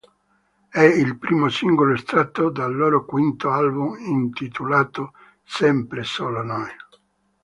È il primo singolo estratto dal loro quinto album intitolato "Sempre solo noi".